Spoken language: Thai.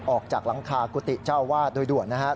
ออกจากหลังคากุฏิเจ้าวาดโดยด่วนนะครับ